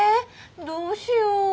どうしよう。